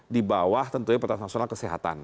di bawah tentunya prioritas nasional kesehatan